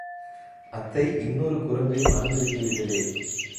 அத்தை, இன்னொரு குரங்கை மறந்துவிட்டீர்களே!